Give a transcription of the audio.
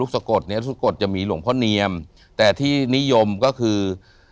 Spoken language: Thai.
ลูกสะกดจะมีหลวงพ่อเนียมแต่ที่นิยมก็คือ